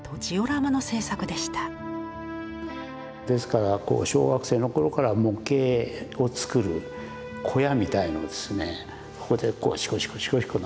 ですからこう小学生の頃から模型を作る小屋みたいのでここでシコシコ